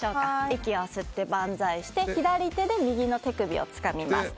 息を吸ってバンザイして左手で右の手首をつかみます。